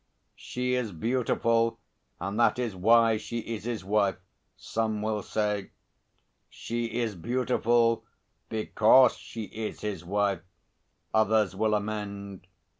'She is beautiful, and that is why she is his wife,' some will say. 'She is beautiful because she is his wife,' others will amend.